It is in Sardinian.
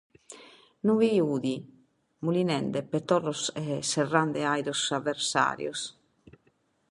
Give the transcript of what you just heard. Non bi fiat, molinende petorros e serrende àidos aversàrios.